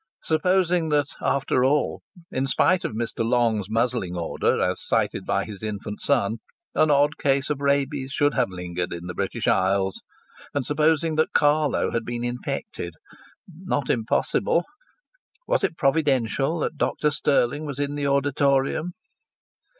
Supposing that, after all, in spite of Mr. Long's Muzzling Order, as cited by his infant son, an odd case of rabies should have lingered in the British Isles, and supposing that Carlo had been infected ...! Not impossible ...! Was it providential that Dr. Stirling was in the auditorium?